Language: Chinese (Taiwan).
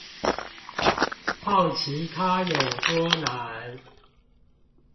好奇他有多難